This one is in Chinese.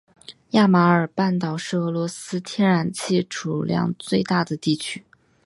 亚马尔半岛是俄罗斯天然气储量最大的地区。